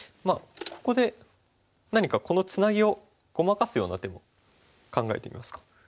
ここで何かこのツナギをごまかすような手も考えてみますか。